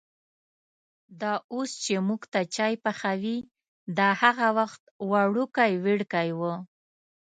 دا اوس چې مونږ ته چای پخوي، دا هغه وخت وړوکی وړکی و.